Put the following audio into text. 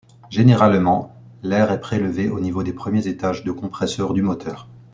Généralement, l'air est prélevé au niveau des premiers étages de compresseur du moteur.